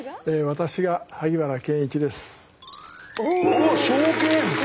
私が萩原健一です。